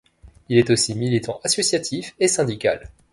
Il est aussi militant associatif et syndical.